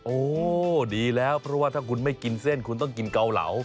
โอ้ดีแล้วเพราะว่าถ้าคุณไม่กินเส้นคุณต้องกินเกาเหลา